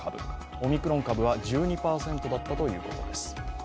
オミクロン株は１２％だったということです。